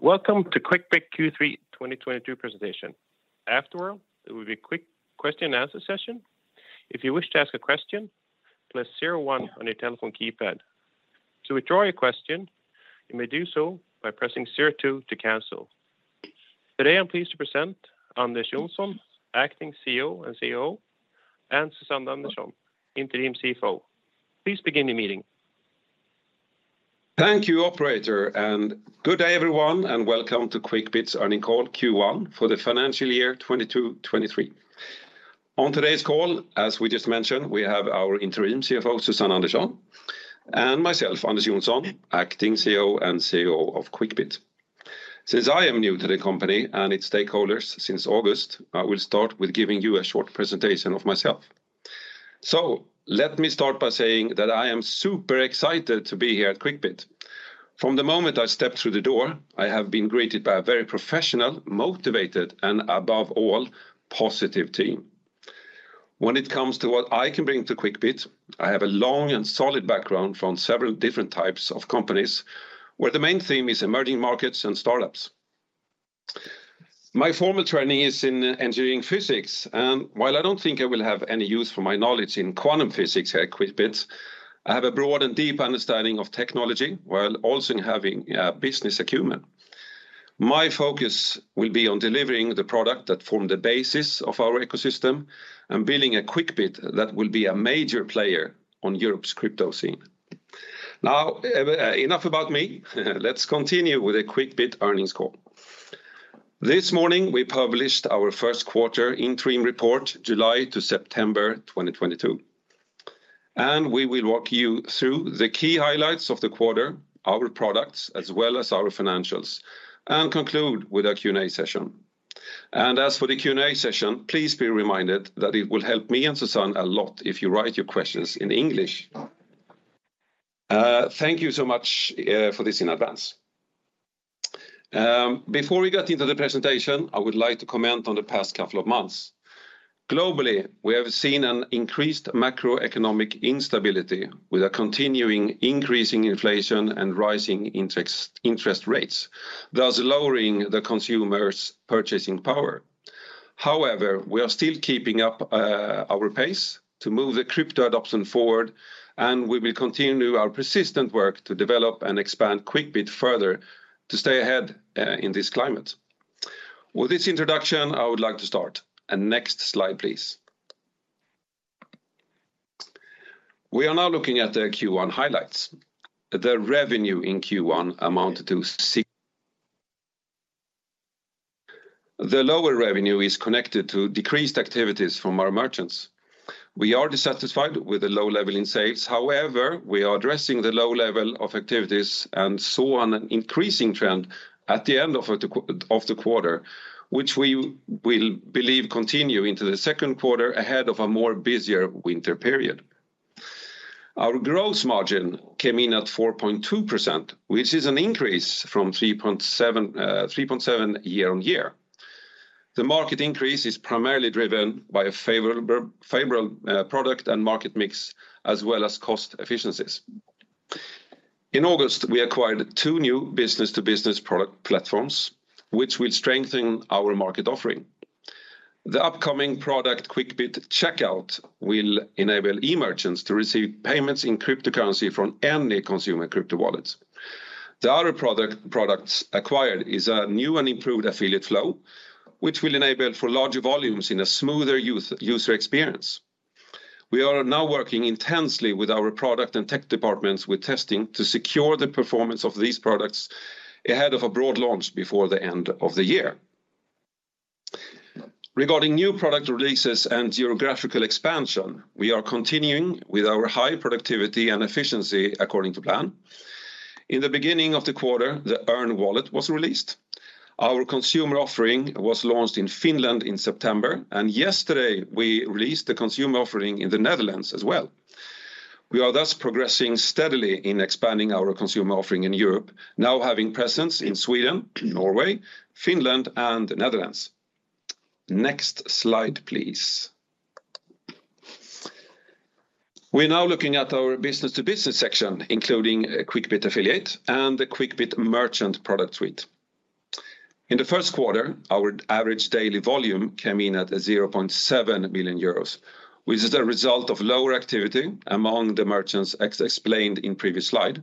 Welcome to Quickbit Q3 2022 presentation. Afterward, there will be a quick question and answer session. If you wish to ask a question, press zero one on your telephone keypad. To withdraw your question, you may do so by pressing zero two to cancel. Today, I'm pleased to present Anders Jonson, Interim CEO and Group CEO, and Susanne Andersson, Interim CFO. Please begin the meeting. Thank you, operator, and good day everyone, and welcome to Quickbit's earnings call Q1 for the financial year 2022-2023. On today's call, as we just mentioned, we have our Interim CFO, Susanne Andersson, and myself, Anders Jonson, acting CEO and CEO of Quickbit. Since I am new to the company and its stakeholders since August, I will start with giving you a short presentation of myself. Let me start by saying that I am super excited to be here at Quickbit. From the moment I stepped through the door, I have been greeted by a very professional, motivated, and above all, positive team. When it comes to what I can bring to Quickbit, I have a long and solid background from several different types of companies, where the main theme is emerging markets and startups. My formal training is in engineering physics, and while I don't think I will have any use for my knowledge in quantum physics at Quickbit, I have a broad and deep understanding of technology while also having business acumen. My focus will be on delivering the product that form the basis of our ecosystem and building a Quickbit that will be a major player on Europe's crypto scene. Now, enough about me. Let's continue with the Quickbit earnings call. This morning, we published our first quarter interim report, July to September 2022, and we will walk you through the key highlights of the quarter, our products, as well as our financials, and conclude with a Q&A session. As for the Q&A session, please be reminded that it will help me and Susanne a lot if you write your questions in English. Thank you so much for this in advance. Before we get into the presentation, I would like to comment on the past couple of months. Globally, we have seen an increased macroeconomic instability with a continuing increasing inflation and rising interest rates, thus lowering the consumer's purchasing power. However, we are still keeping up our pace to move the crypto adoption forward, and we will continue our persistent work to develop and expand Quickbit further to stay ahead in this climate. With this introduction, I would like to start. Next slide, please. We are now looking at the Q1 highlights. The revenue in Q1 amounted to. The lower revenue is connected to decreased activities from our merchants. We are dissatisfied with the low level in sales. However, we are addressing the low level of activities and saw an increasing trend at the end of the quarter, which we believe will continue into the second quarter ahead of a busier winter period. Our gross margin came in at 4.2%, which is an increase from 3.7% year-on-year. The margin increase is primarily driven by a favorable product and market mix, as well as cost efficiencies. In August, we acquired two new business-to-business product platforms, which will strengthen our market offering. The upcoming product, Quickbit Checkout, will enable e-merchants to receive payments in cryptocurrency from any consumer crypto wallets. The other products acquired is a new and improved Quickbit Affiliate, which will enable larger volumes in a smoother user experience. We are now working intensely with our product and tech departments with testing to secure the performance of these products ahead of a broad launch before the end of the year. Regarding new product releases and geographical expansion, we are continuing with our high productivity and efficiency according to plan. In the beginning of the quarter, the Earn Wallet was released. Our consumer offering was launched in Finland in September, and yesterday we released the consumer offering in the Netherlands as well. We are thus progressing steadily in expanding our consumer offering in Europe, now having presence in Sweden, Norway, Finland, and the Netherlands. Next slide, please. We're now looking at our business-to-business section, including Quickbit Affiliate and the Quickbit Merchant product suite. In the first quarter, our average daily volume came in at 0.7 million euros, which is the result of lower activity among the merchants explained in previous slide.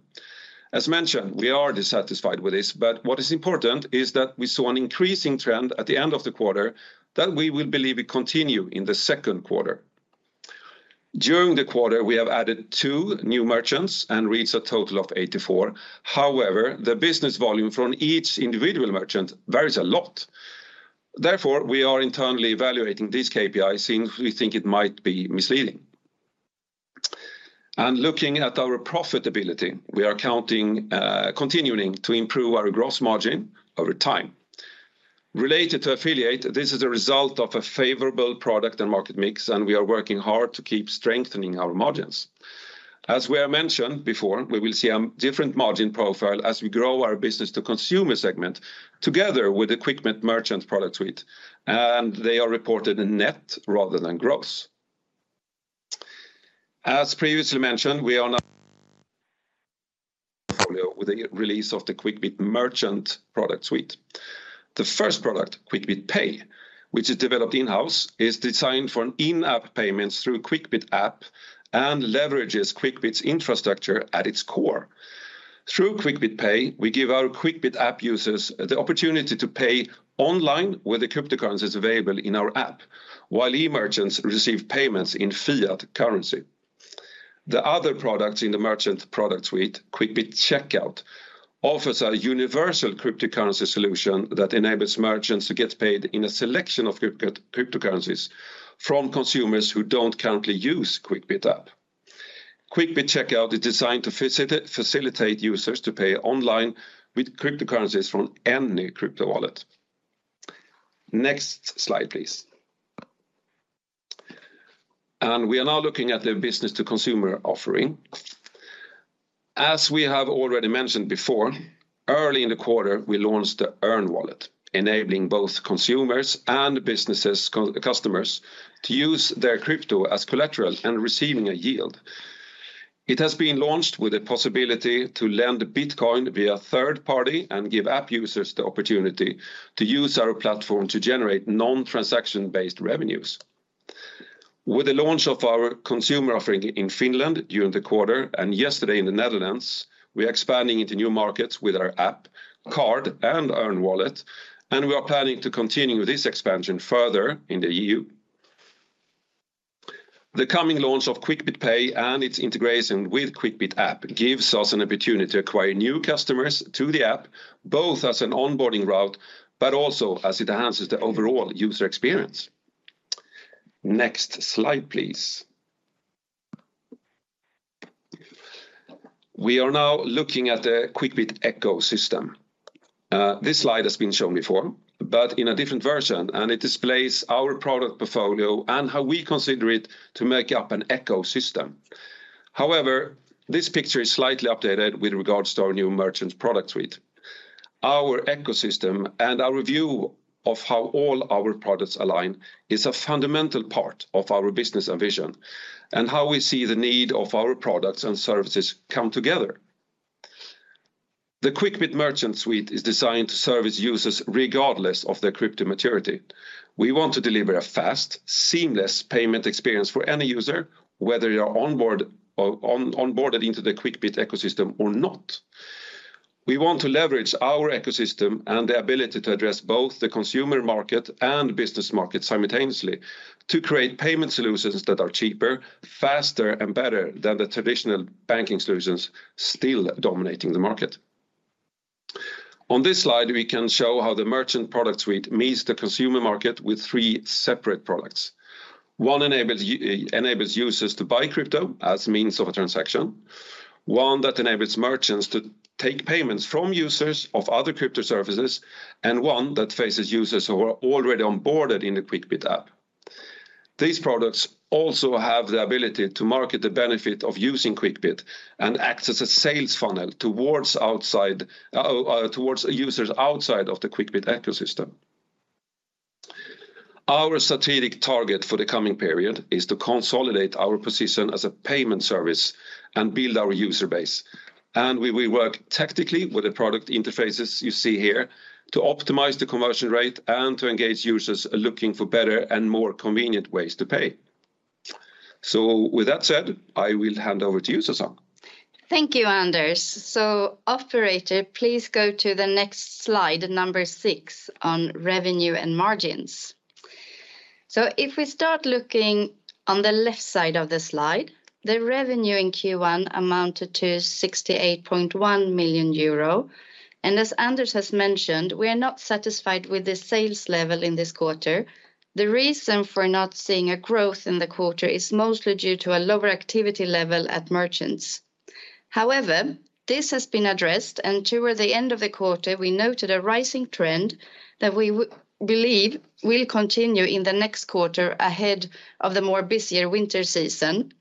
As mentioned, we are dissatisfied with this, but what is important is that we saw an increasing trend at the end of the quarter that we will believe will continue in the second quarter. During the quarter, we have added two new merchants and reached a total of 84. However, the business volume from each individual merchant varies a lot. Therefore, we are internally evaluating this KPI since we think it might be misleading. Looking at our profitability, we are counting continuing to improve our gross margin over time. Related to affiliate, this is a result of a favorable product and market mix, and we are working hard to keep strengthening our margins. As we have mentioned before, we will see a different margin profile as we grow our business to consumer segment together with the Quickbit Merchant product suite, and they are reported in net rather than gross. As previously mentioned, we are now with the release of the Quickbit Merchant product suite. The first product, Quickbit Pay, which is developed in-house, is designed for in-app payments through Quickbit App and leverages Quickbit's infrastructure at its core. Through Quickbit Pay, we give our Quickbit App users the opportunity to pay online with the cryptocurrencies available in our app, while e-merchants receive payments in fiat currency. The other product in the merchant product suite, Quickbit Checkout, offers a universal cryptocurrency solution that enables merchants to get paid in a selection of cryptocurrencies from consumers who don't currently use Quickbit App. Quickbit Checkout is designed to facilitate users to pay online with cryptocurrencies from any crypto wallet. Next slide, please. We are now looking at the business to consumer offering. As we have already mentioned before, early in the quarter, we launched the Earn Wallet, enabling both consumers and business customers to use their crypto as collateral and receiving a yield. It has been launched with a possibility to lend Bitcoin via third party and give app users the opportunity to use our platform to generate non-transaction-based revenues. With the launch of our consumer offering in Finland during the quarter and yesterday in the Netherlands, we're expanding into new markets with our app, card, and Earn Wallet, and we are planning to continue this expansion further in the EU. The coming launch of Quickbit Pay and its integration with Quickbit App gives us an opportunity to acquire new customers to the app, both as an onboarding route, but also as it enhances the overall user experience. Next slide, please. We are now looking at the Quickbit ecosystem. This slide has been shown before but in a different version, and it displays our product portfolio and how we consider it to make up an ecosystem. However, this picture is slightly updated with regards to our new merchant product suite. Our ecosystem and our review of how all our products align is a fundamental part of our business and vision and how we see the need of our products and services come together. The Quickbit Merchant Suite is designed to service users regardless of their crypto maturity. We want to deliver a fast, seamless payment experience for any user, whether you are onboarded into the Quickbit ecosystem or not. We want to leverage our ecosystem and the ability to address both the consumer market and business market simultaneously to create payment solutions that are cheaper, faster, and better than the traditional banking solutions still dominating the market. On this slide, we can show how the merchant product suite meets the consumer market with three separate products. One enables users to buy crypto as means of a transaction, one that enables merchants to take payments from users of other crypto services, and one that faces users who are already onboarded in the Quickbit app. These products also have the ability to market the benefit of using Quickbit and acts as a sales funnel towards users outside of the Quickbit ecosystem. Our strategic target for the coming period is to consolidate our position as a payment service and build our user base, and we will work tactically with the product interfaces you see here to optimize the conversion rate and to engage users looking for better and more convenient ways to pay. With that said, I will hand over to you, Susanne. Thank you, Anders. Operator, please go to the next slide, number six on revenue and margins. If we start looking on the left side of the slide, the revenue in Q1 amounted to 68.1 million euro. As Anders has mentioned, we are not satisfied with the sales level in this quarter. The reason for not seeing a growth in the quarter is mostly due to a lower activity level at merchants. However, this has been addressed, and toward the end of the quarter, we noted a rising trend that we believe will continue in the next quarter ahead of the more busier winter season.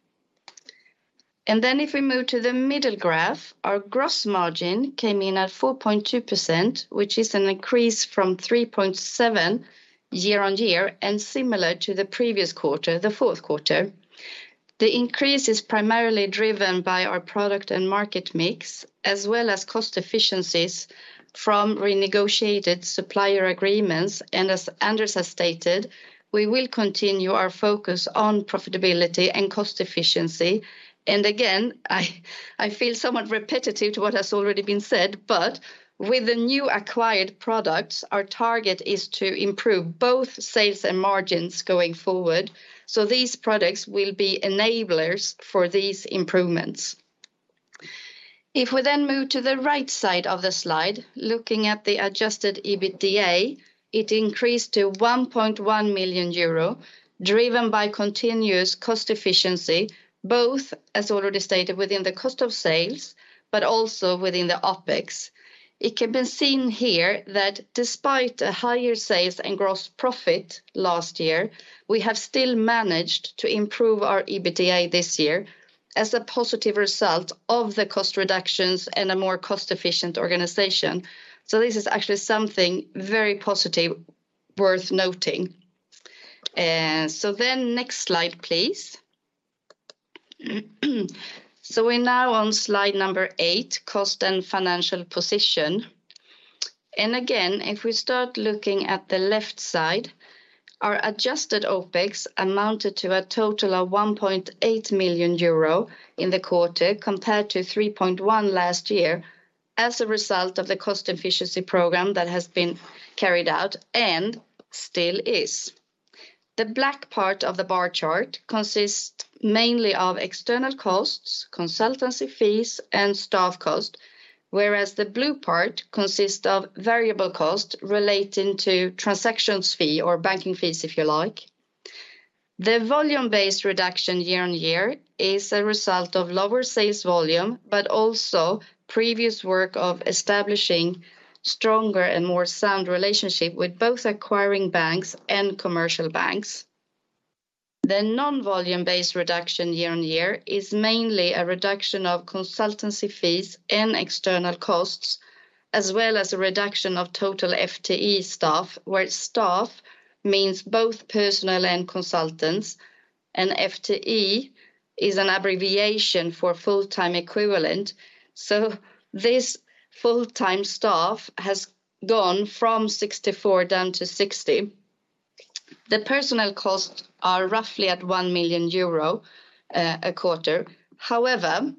If we move to the middle graph, our gross margin came in at 4.2%, which is an increase from 3.7% year-over-year and similar to the previous quarter, the fourth quarter. The increase is primarily driven by our product and market mix, as well as cost efficiencies from renegotiated supplier agreements. As Anders has stated, we will continue our focus on profitability and cost efficiency. Again, I feel somewhat repetitive to what has already been said, but with the new acquired products, our target is to improve both sales and margins going forward. These products will be enablers for these improvements. If we then move to the right side of the slide, looking at the adjusted EBITDA, it increased to 1.1 million euro, driven by continuous cost efficiency, both, as already stated, within the cost of sales, but also within the OpEx. It can be seen here that despite higher sales and gross profit last year, we have still managed to improve our EBITDA this year as a positive result of the cost reductions and a more cost-efficient organization. This is actually something very positive worth noting. Next slide, please. We're now on slide number eight, cost and financial position. Again, if we start looking at the left side, our adjusted OPEX amounted to a total of 1.8 million euro in the quarter compared to 3.1 million last year as a result of the cost efficiency program that has been carried out and still is. The black part of the bar chart consists mainly of external costs, consultancy fees, and staff costs, whereas the blue part consists of variable costs relating to transaction fees or banking fees, if you like. The volume-based reduction year-on-year is a result of lower sales volume, but also previous work of establishing stronger and more sound relationship with both acquiring banks and commercial banks. The non-volume-based reduction year-on-year is mainly a reduction of consultancy fees and external costs, as well as a reduction of total FTE staff, where staff means both personnel and consultants, and FTE is an abbreviation for full-time equivalent. This full-time staff has gone from 64 down to 60. The personnel costs are roughly at 1 million euro a quarter. However,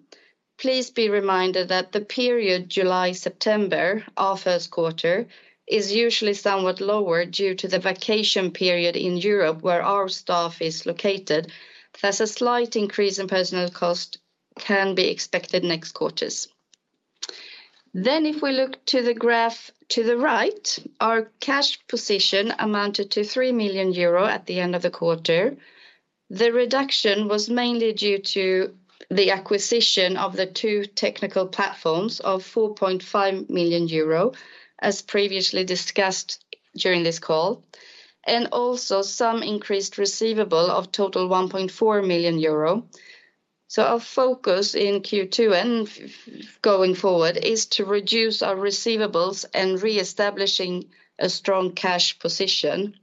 please be reminded that the period July-September, our first quarter, is usually somewhat lower due to the vacation period in Europe, where our staff is located. Thus a slight increase in personnel cost can be expected next quarters. If we look to the graph to the right, our cash position amounted to 3 million euro at the end of the quarter. The reduction was mainly due to the acquisition of the two technical platforms of 4.5 million euro, as previously discussed during this call, and also some increased receivables totaling 1.4 million euro. Our focus in Q2 and going forward is to reduce our receivables and reestablishing a strong cash position.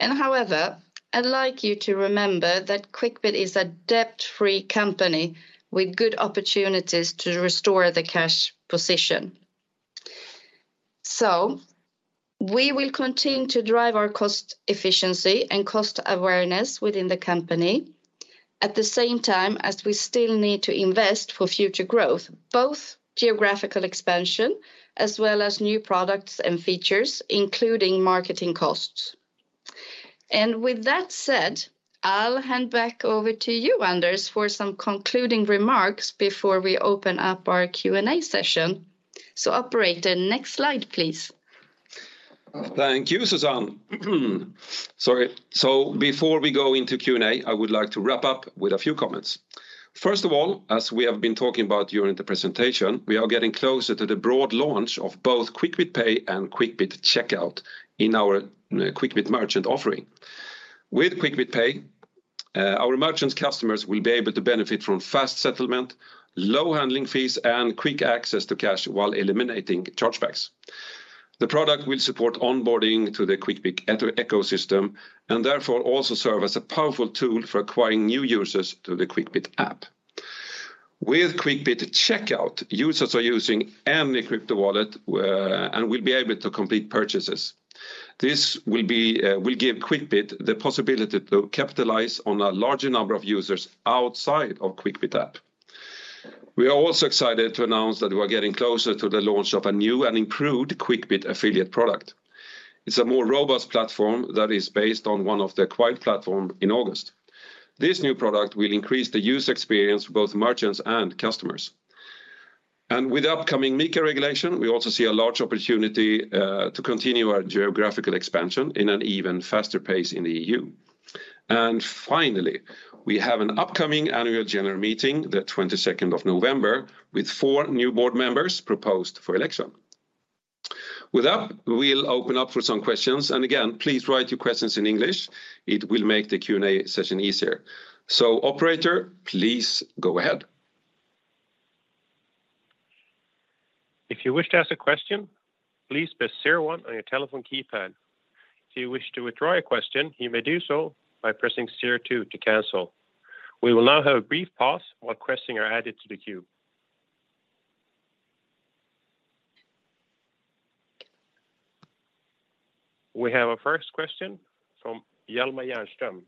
However, I'd like you to remember that Quickbit is a debt-free company with good opportunities to restore the cash position. We will continue to drive our cost efficiency and cost awareness within the company. At the same time, as we still need to invest for future growth, both geographical expansion as well as new products and features, including marketing costs. With that said, I'll hand back over to you, Anders, for some concluding remarks before we open up our Q&A session. Operator, next slide, please. Thank you, Susanne. Sorry. Before we go into Q&A, I would like to wrap up with a few comments. First of all, as we have been talking about during the presentation, we are getting closer to the broad launch of both Quickbit Pay and Quickbit Checkout in our Quickbit Merchant offering. With Quickbit Pay, our merchants' customers will be able to benefit from fast settlement, low handling fees, and quick access to cash while eliminating chargebacks. The product will support onboarding to the Quickbit ecosystem, and therefore also serve as a powerful tool for acquiring new users to the Quickbit App. With Quickbit Checkout, users using any crypto wallet and will be able to complete purchases. This will give Quickbit the possibility to capitalize on a larger number of users outside of Quickbit App. We are also excited to announce that we are getting closer to the launch of a new and improved Quickbit Affiliate product. It's a more robust platform that is based on one of the acquired platform in August. This new product will increase the user experience for both merchants and customers. With upcoming MiCA regulation, we also see a large opportunity to continue our geographical expansion in an even faster pace in the EU. Finally, we have an upcoming annual general meeting, the 22nd of November, with four new board members proposed for election. With that, we'll open up for some questions. Again, please write your questions in English. It will make the Q&A session easier. Operator, please go ahead. If you wish to ask a question, please press zero-one on your telephone keypad. If you wish to withdraw a question, you may do so by pressing zero-two to cancel. We will now have a brief pause while questions are added to the queue. We have our first question from Hjalmar Bjernström.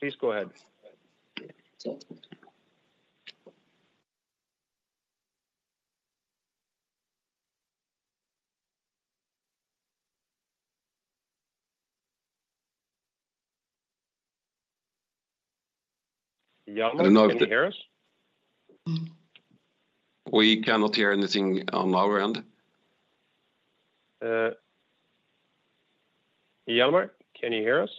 Please go ahead. So- I don't know if the. Hjalmar, can you hear us? We cannot hear anything on our end. Hjalmar, can you hear us?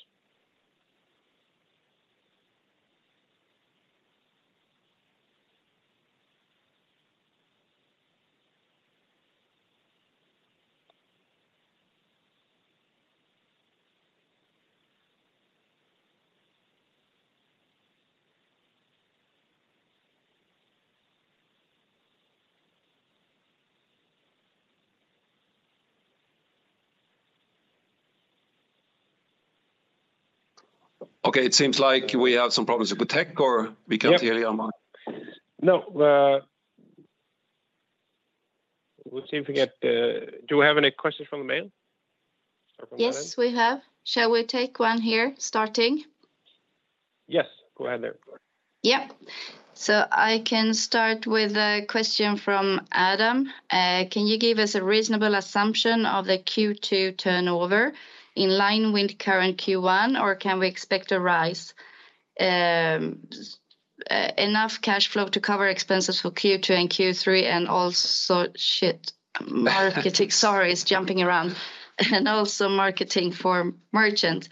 Okay, it seems like we have some problems with tech, or we can't hear you, Hjalmar Bjernström. No, we seem to get. Do we have any questions from the mail? Start from that end. Yes, we have. Shall we take one here starting? Yes, go ahead there. Yep. I can start with a question from Adam. "Can you give us a reasonable assumption of the Q2 turnover in line with current Q1, or can we expect a rise? enough cash flow to cover expenses for Q2 and Q3 and also..." Marketing. Sorry, it's jumping around. "And also marketing for merchant."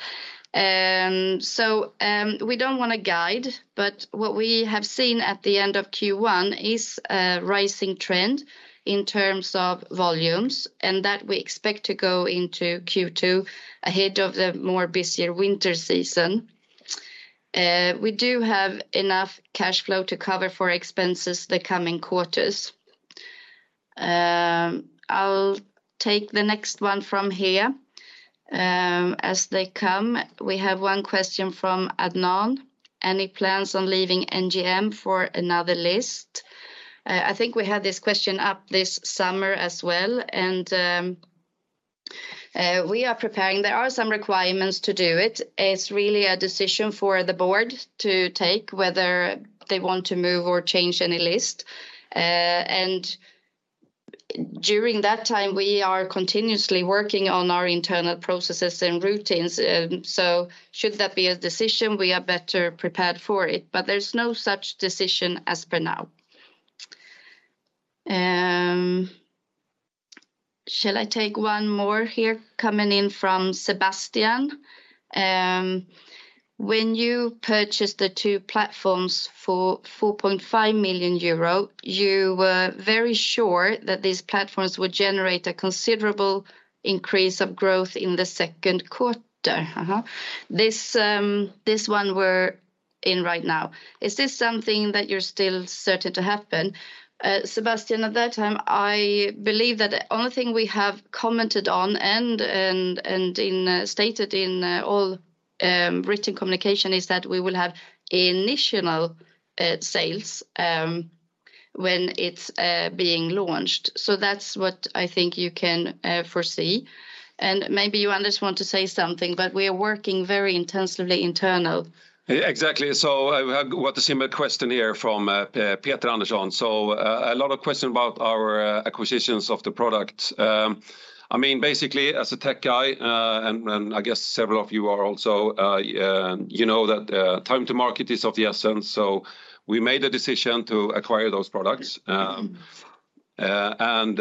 we don't wanna guide, but what we have seen at the end of Q1 is a rising trend in terms of volumes, and that we expect to go into Q2 ahead of the more busier winter season. We do have enough cash flow to cover for expenses the coming quarters. I'll take the next one from here, as they come. We have one question from Adnan. Any plans on leaving NGM for another list?" I think we had this question up this summer as well, and we are preparing. There are some requirements to do it. It's really a decision for the board to take whether they want to move or change any list. During that time, we are continuously working on our internal processes and routines. So should that be a decision, we are better prepared for it, but there's no such decision as of now. Shall I take one more here coming in from Sebastian? "When you purchased the two platforms for 4.5 million euro, you were very sure that these platforms would generate a considerable increase of growth in the second quarter." This one we're in right now. Is this something that you're still certain to happen? Sebastian, at that time, I believe that the only thing we have commented on and stated in all written communication is that we will have initial sales when it's being launched. That's what I think you can foresee. Maybe you, Anders, want to say something, but we are working very intensively internally. Exactly. I've got a similar question here from Peter Andersson. A lot of question about our acquisitions of the product. I mean, basically as a tech guy, and I guess several of you are also, you know that time-to-market is of the essence, so we made a decision to acquire those products. And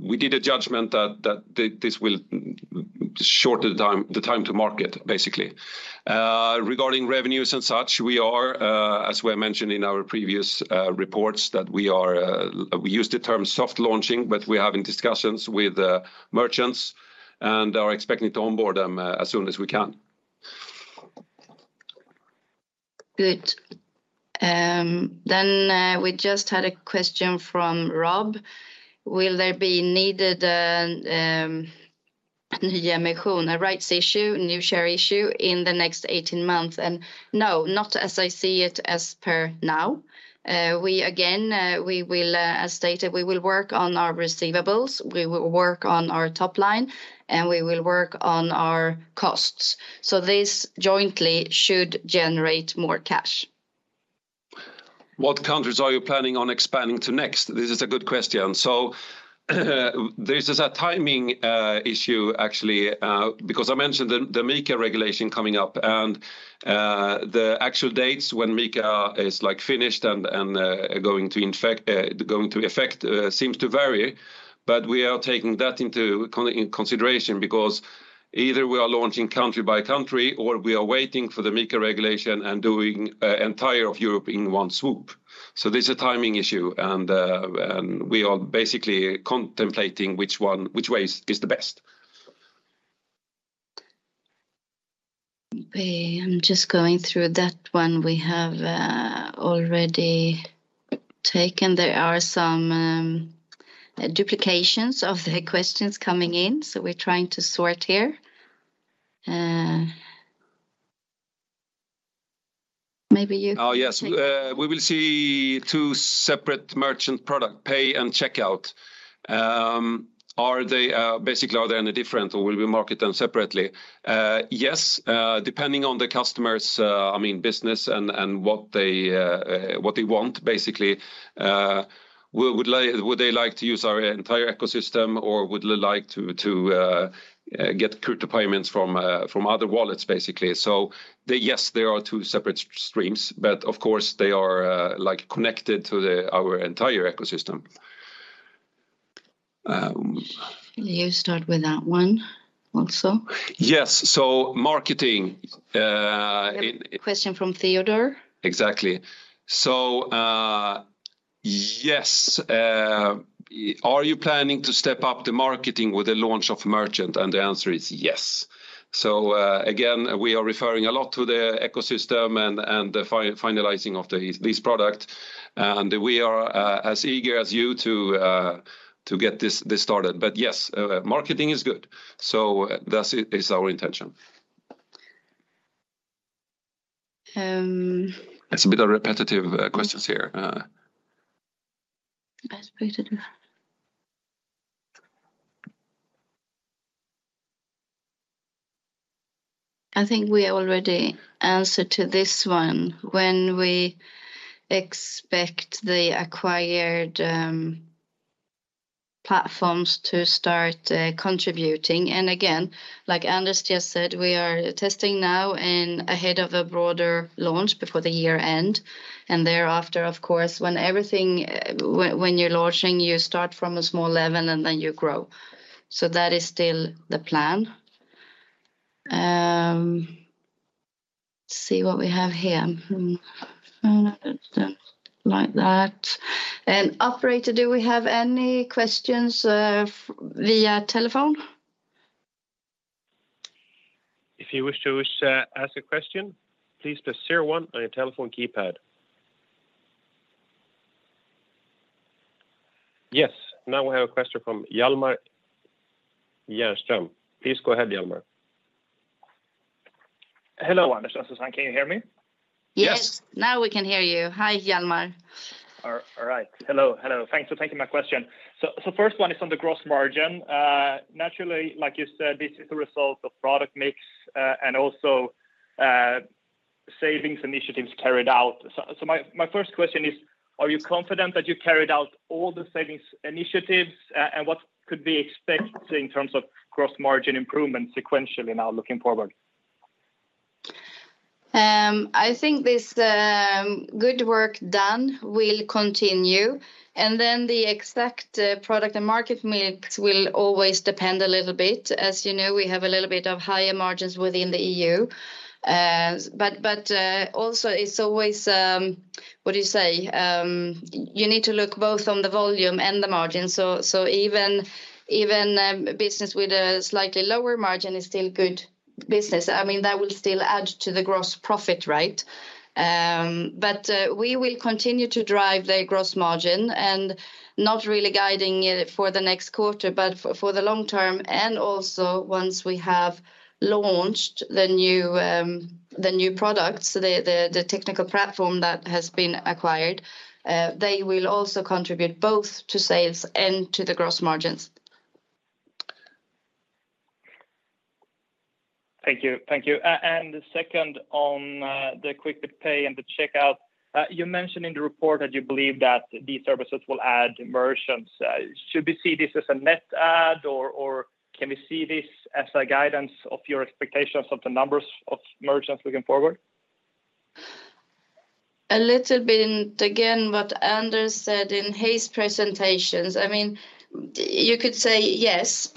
we did a judgment that this will shorten the time to market, basically. Regarding revenues and such, we are, as we mentioned in our previous reports, that we are, we use the term soft launching, but we are having discussions with merchants and are expecting to onboard them as soon as we can. Good. We just had a question from Rob: "Will there be needed? Oh, yes. "We will see two separate merchant product, Quickbit Pay and Quickbit Checkout. Basically, are they any different or will we market them separately?" Yes, depending on the customer's business and what they want, basically. Would they like to use our entire ecosystem or would they like to get crypto payments from other wallets, basically? Yes, there are two separate streams, but of course they are like connected to our entire ecosystem. You start with that one also. Yes. Marketing, Yep. Question from Theodore. Exactly. Yes, are you planning to step up the marketing with the launch of Merchant? The answer is yes. Again, we are referring a lot to the ecosystem and the finalizing of this product. We are as eager as you to get this started. Yes, marketing is good. That's it, is our intention. Um- It's a bit of repetitive questions here. Repetitive. I think we already answered to this one. When we expect the acquired platforms to start contributing. Again, like Anders just said, we are testing now and ahead of a broader launch before the year-end. Thereafter, of course, when you're launching, you start from a small level, and then you grow. That is still the plan. Let's see what we have here. Like that. Operator, do we have any questions via telephone? If you wish to ask a question, please press zero-one on your telephone keypad. Yes. Now we have a question from Hjalmar Bjernström. Please go ahead, Hjalmar. Hello, Anders and Susanne. Can you hear me? Yes. Yes. Now we can hear you. Hi, Hjalmar. All right. Hello. Thanks for taking my question. First one is on the gross margin. Naturally, like you said, this is the result of product mix, and also, savings initiatives carried out. My first question is, are you confident that you carried out all the savings initiatives? And what could we expect in terms of gross margin improvement sequentially now looking forward? I think this good work done will continue, and then the exact product and market mix will always depend a little bit. As you know, we have a little bit of higher margins within the EU. Also it's always what do you say? You need to look both on the volume and the margin. Even business with a slightly lower margin is still good business. I mean, that will still add to the gross profit, right? We will continue to drive the gross margin and not really guiding it for the next quarter, but for the long term. Also once we have launched the new products, the technical platform that has been acquired, they will also contribute both to sales and to the gross margins. Thank you. Second on the Quickbit Pay and the Quickbit Checkout. You mentioned in the report that you believe that these services will add merchants. Should we see this as a net add, or can we see this as a guidance of your expectations of the numbers of merchants looking forward? A little bit, again, what Anders said in his presentations, I mean, you could say yes.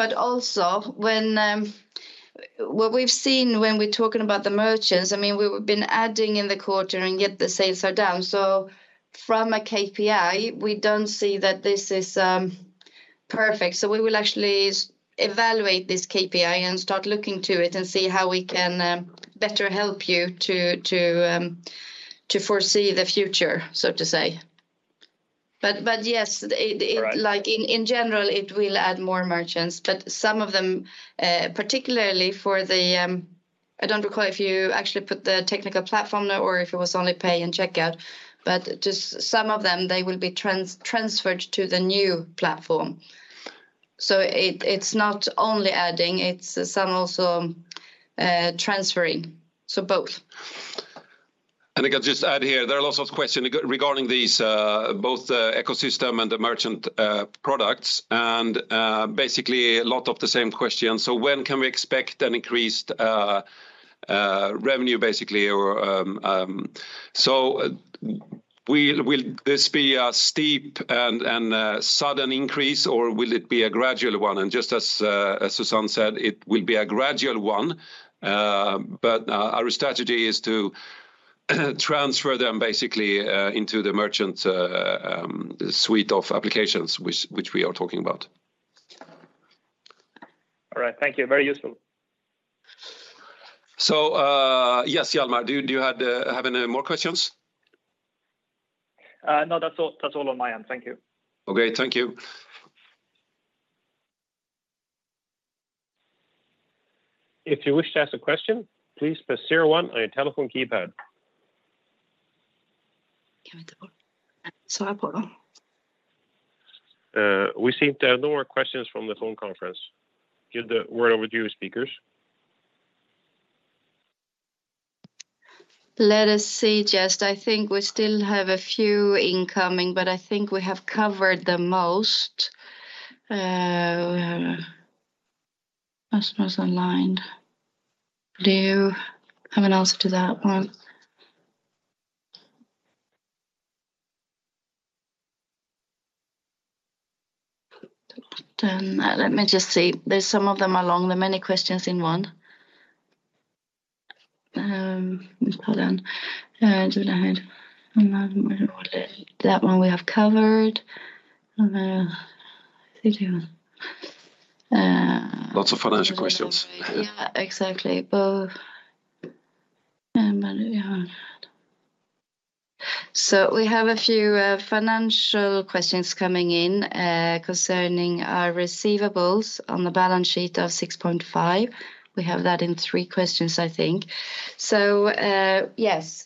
What we've seen when we're talking about the merchants, I mean, we've been adding in the quarter and yet the sales are down. From a KPI, we don't see that this is perfect. We will actually evaluate this KPI and start looking to it and see how we can better help you to foresee the future, so to say. Yes, it. All right. Like in general, it will add more merchants, but some of them, particularly for the, I don't recall if you actually put the technical platform there or if it was only pay and checkout, but just some of them, they will be transferred to the new platform. So it's not only adding, it's some also, transferring. So both. I can just add here, there are lots of questions regarding these, both the ecosystem and the merchant products, and basically a lot of the same questions. When can we expect an increased revenue, basically? Or, will this be a steep and sudden increase or will it be a gradual one? Just as Susanne said, it will be a gradual one. Our strategy is to transfer them basically into the merchant suite of applications which we are talking about. All right. Thank you. Very useful. Yes, Hjalmar, do you have any more questions? No, that's all. That's all on my end. Thank you. Okay. Thank you. If you wish to ask a question, please press zero-one on your telephone keypad. We seem to have no more questions from the phone conference. Give the word over to your speakers. Let us see. Just, I think we still have a few incoming, but I think we have covered the most. Customers online. Do you have an answer to that one? Done. Let me just see. There's some of them along. There are many questions in one. Hold on. That one we have covered. I think we have. Lots of financial questions. Yeah, exactly. Well, but yeah. We have a few financial questions coming in concerning our receivables on the balance sheet of 6.5. We have that in three questions, I think. Yes,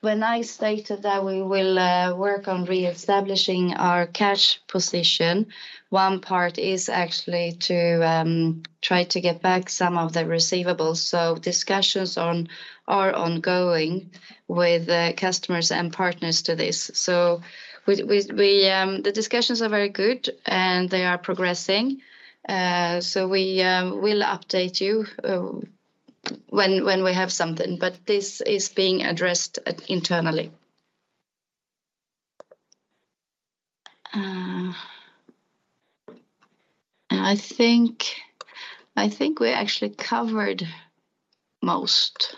when I stated that we will work on reestablishing our cash position, one part is actually to try to get back some of the receivables. Discussions are ongoing with customers and partners to this. The discussions are very good, and they are progressing. We will update you when we have something. This is being addressed internally. I think we actually covered most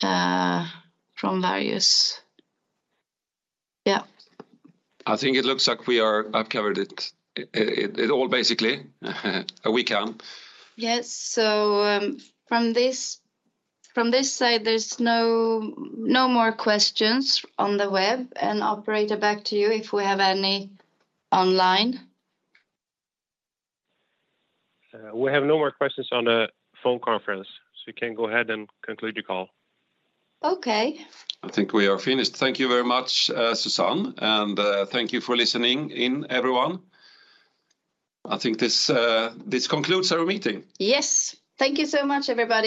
from various. Yeah. I think it looks like I've covered it all, basically. We can. Yes. From this side, there's no more questions on the web. Operator, back to you if we have any online. We have no more questions on the phone conference, so you can go ahead and conclude your call. Okay. I think we are finished. Thank you very much, Susanne, and thank you for listening in, everyone. I think this concludes our meeting. Yes. Thank you so much, everybody.